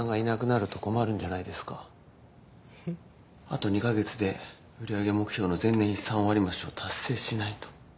あと２カ月で売り上げ目標の前年比３割増しを達成しないと。